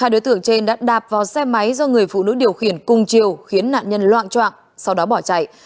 hai đối tượng trên đã đạp vào xe máy do người phụ nữ điều khiển cùng chiều khiến nạn nhân loạn trọng sau đó bỏ chạy